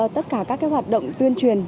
tất cả các hoạt động tuyên truyền